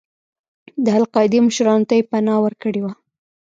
د القاعدې مشرانو ته یې پناه ورکړې وه.